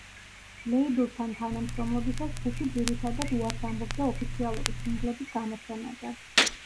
ლეიბლთან თანამშრომლობისას ჯგუფი ძირითადად, უარს ამბობდა ოფიციალური სინგლების გამოცემაზე.